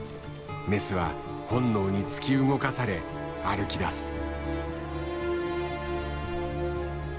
メスは本能に突き動かされ歩きだす。